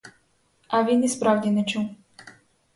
А він і справді не чув.